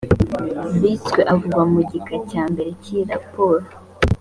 bitswe avugwa mu gika cya mbere cy iyi raporo